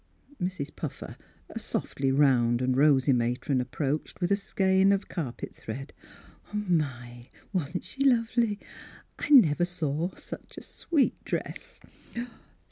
Mrs. Puffer, a softly round and rosy matron, approached with a skein of car pet thread. " My, wasn't she lovely ! I never saw such a sweet dress."